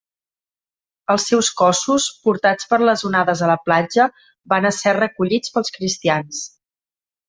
Els seus cossos, portats per les onades a la platja, van ésser recollits pels cristians.